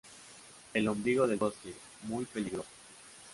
El ombligo del bosque: Muy peligrosa.